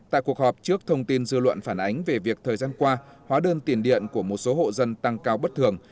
tại cuộc họp trước thông tin dư luận phản ánh về việc thời gian qua hóa đơn tiền điện của một số hộ dân tăng cao bất thường